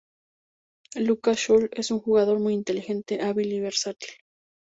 Lucas Scholl es un jugador muy inteligente, hábil, y versátil.